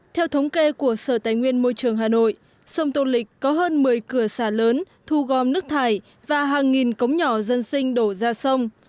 theo thống kê của sở tài nguyên môi trường hà nội sông tô lịch có hơn một mươi cửa xà lớn thu gom nước thải và hàng nghìn cống nhỏ dân sinh đổ ra sông